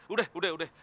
udah udah udah